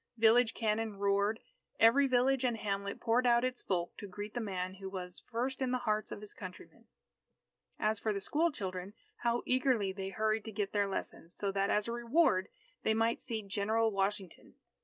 Village cannon roared. Every village and hamlet poured out its folk to greet the man who was "first in the hearts of his countrymen." As for the school children, how eagerly they hurried to get their lessons, so that as a reward, they might see General Washington.